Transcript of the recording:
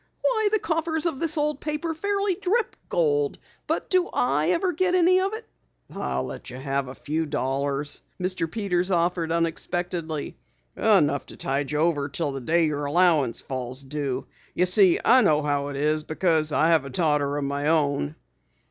"Why, the coffers of this old paper fairly drip gold, but do I ever get any of it?" "I'll let you have a few dollars," Mr. Peters offered unexpectedly. "Enough to tide you over until the day your allowance falls due. You see, I know how it is because I have a daughter of my own."